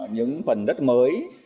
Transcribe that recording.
những phần đất mới